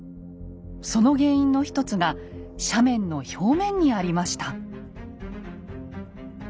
その原因の一つが斜面の表面にありました。